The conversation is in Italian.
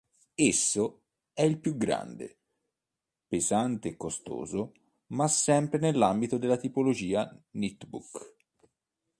Esso è più grande, pesante e costoso, ma sempre nell'ambito della tipologia netbook.